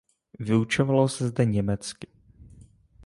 Vyučovalo se zde německy.